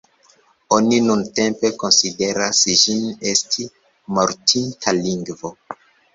Oni nuntempe konsideras ĝin esti mortinta lingvo.